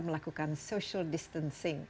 melakukan social distancing